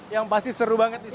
yang pasti seru banget di sini